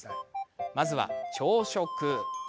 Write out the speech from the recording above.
まずは朝食。